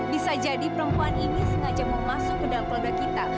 bisa jadi perempuan ini sengaja mau masuk ke dalam keluarga kita